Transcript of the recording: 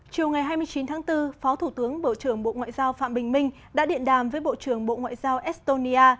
chiều ngày hai mươi chín tháng bốn phó thủ tướng bộ trưởng bộ ngoại giao phạm bình minh đã điện đàm với bộ trưởng bộ ngoại giao estonia